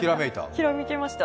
ひらめきました。